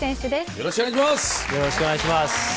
よろしくお願いします。